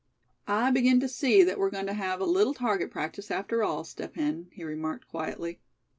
"I begin to see that we're going to have a little target practice after all, Step Hen," he remarked, quietly.